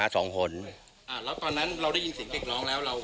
แล้วตอนนั้นเราได้ยินเสียงเด็กร้องแล้ว